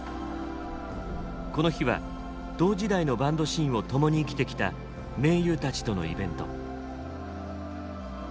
この日は同時代のバンドシーンを共に生きてきた盟友たちとのイベント。